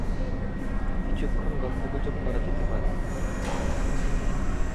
কিছুক্ষণ গল্পগুজব করা যেতে পারে।